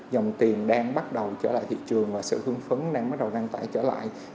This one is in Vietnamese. dòng tiền đang bắt đầu trở lại thị trường và sự hương phấn đang bắt đầu đăng tải trở lại